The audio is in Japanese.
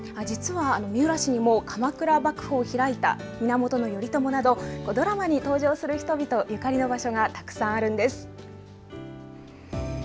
実は三浦市にも鎌倉幕府を開いた源頼朝などドラマに登場する人々ゆかりの場所がたくさんあるんです。